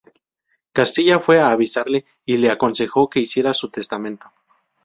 Castilla fue a visitarle y le aconsejó que hiciera su testamento.